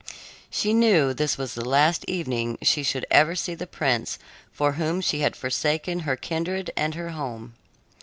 She knew this was the last evening she should ever see the prince for whom she had forsaken her kindred and her home.